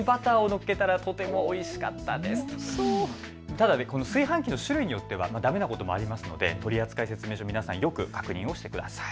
ただ炊飯器の種類によってはだめなこともありますので取り扱い説明書、皆さんよく確認してください。